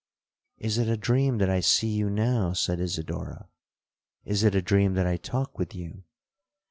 '—'Is it a dream that I see you now?' said Isidora—'is it a dream that I talk with you?